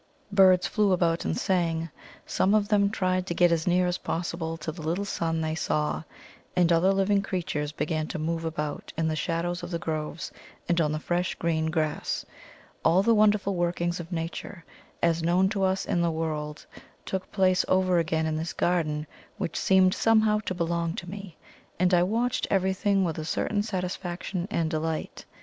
Birds flew about and sang; some of them tried to get as near as possible to the little sun they saw; and other living creatures began to move about in the shadows of the groves, and on the fresh green grass. All the wonderful workings of Nature, as known to us in the world, took place over again in this garden, which seemed somehow to belong to me; and I watched everything with a certain satisfaction and delight.